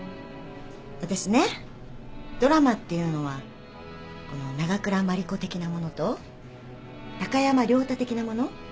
私ねドラマっていうのはこの長倉万理子的なものと高山涼太的なもの。